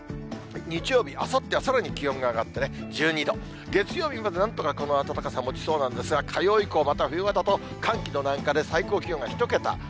日曜日、あさってはさらに気温が上がってね、１２度、月曜日までなんとかこの暖かさもちそうなんですが、火曜以降、また冬型と、寒気の南下で最高気温が１桁。